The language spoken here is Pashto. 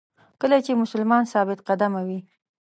کله چې مسلمان ثابت قدمه وي.